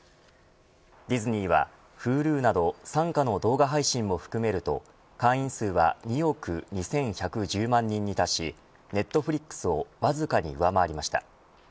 ディズニーはＨｕｌｕなど傘下の動画配信も含めると会員数は２億２１１０万人に達しネットフリックスをわずかに上回りました。